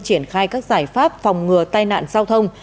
triển khai các giải pháp phòng ngừa tai nạn giao thông